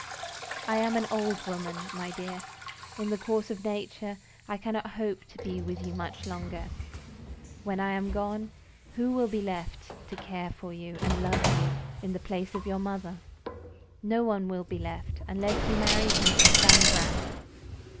I am an old woman, my dear. In the course of nature, I cannot hope to be with you much longer. When I am gone, who will be left to care for you and love you, in the place of your mother? No one will be left, unless you marry Mrs. Van Brandt.